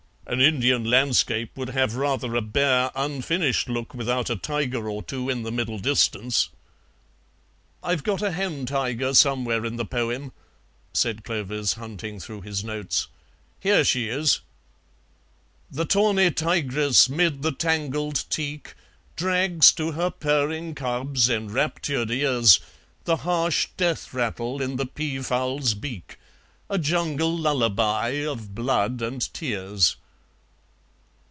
An Indian landscape would have rather a bare, unfinished look without a tiger or two in the middle distance." "I've got a hen tiger somewhere in the poem," said Clovis, hunting through his notes. "Here she is: 'The tawny tigress 'mid the tangled teak Drags to her purring cubs' enraptured ears The harsh death rattle in the pea fowl's beak, A jungle lullaby of blood and tears.'"